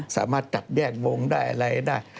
สามารถจัดแยกวงได้อะไรได้